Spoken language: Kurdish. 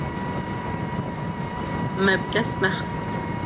Me bi dest nexist.